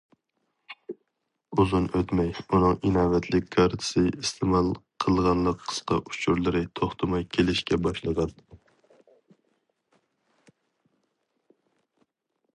ئۇزۇن ئۆتمەي ئۇنىڭ ئىناۋەتلىك كارتىسى ئىستېمال قىلغانلىق قىسقا ئۇچۇرلىرى توختىماي كېلىشكە باشلىغان.